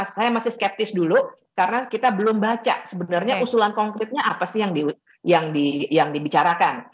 saya masih skeptis dulu karena kita belum baca sebenarnya usulan konkretnya apa sih yang dibicarakan